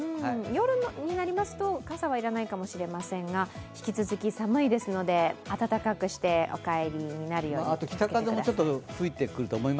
夜になりますと傘は要らないかもしれませんが、引き続き寒いですので温かくしてお帰りになるように気をつけてください。